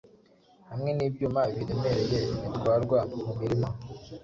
hamwe n’ibyuma biremereye bitwarwa mu mirima,